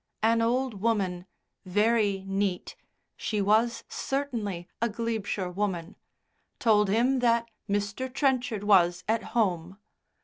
An old woman, very neat (she was certainly a Glebeshire woman), told him that Mr. Trenchard was at home.